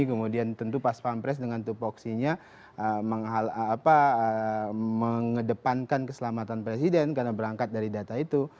kemudian tentu pas pampres dengan tupoksinya mengedepankan keselamatan presiden karena berangkat dari data itu